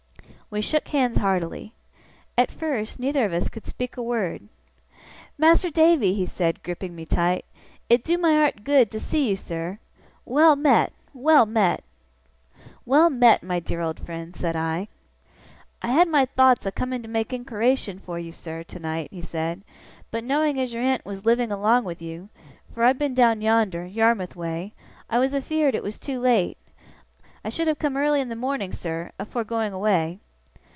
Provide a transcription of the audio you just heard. We shook hands heartily. At first, neither of us could speak a word. 'Mas'r Davy!' he said, gripping me tight, 'it do my art good to see you, sir. Well met, well met!' 'Well met, my dear old friend!' said I. 'I had my thowts o' coming to make inquiration for you, sir, tonight,' he said, 'but knowing as your aunt was living along wi' you fur I've been down yonder Yarmouth way I was afeerd it was too late. I should have come early in the morning, sir, afore going away.